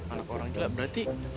anak orang gila berarti